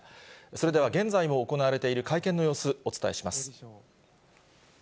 それでは現在も行われている会見の様子、お伝えします。